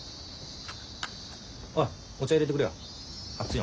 おいお茶いれてくれよ。